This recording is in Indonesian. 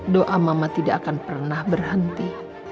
doa mama tidak akan pernah berhenti